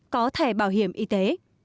có thể bảo hiểm y tế